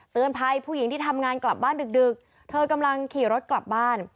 ภัยผู้หญิงที่ทำงานกลับบ้านดึกเธอกำลังขี่รถกลับบ้าน